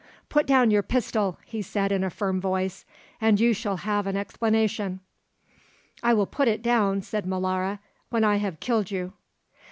"Put down your pistol," he said in a firm voice; "and you shall have an explanation." "I will put it down," said Molara, "when I have killed you."